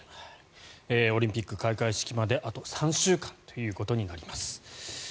オリンピック開会式まであと３週間ということになります。